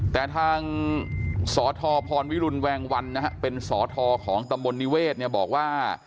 แต่ทางสธพรวิรุณแวงวันนะฮะเป็นสอทอของตำบลนิเวศเนี่ยบอกว่า